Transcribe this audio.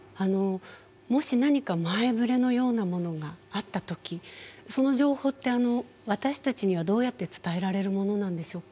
もし何か前ぶれのようなものがあった時その情報って私たちにはどうやって伝えられるものなんでしょうか？